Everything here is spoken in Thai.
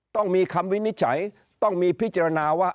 ต้องมีคำวินิจฉัยต้องมีพิจารณาว่า